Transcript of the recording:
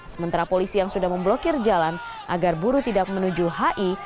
sementara polisi yang sudah memblokir jalan agar buruh tidak menuju hi